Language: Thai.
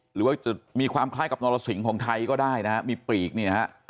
หรือว่าจะมีความคล้ายกับนรสิงของไทยก็ได้นะฮะมีปีกเนี่ยฮะ